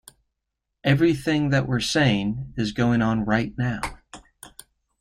Everything that we're saying is going on right now.